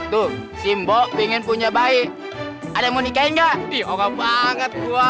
tuh simbo pingin punya bayi ada mau nikah enggak diolah banget gua